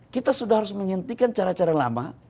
kita sudah harus menghentikan cara cara lama